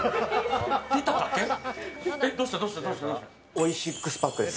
おいシックスパックです。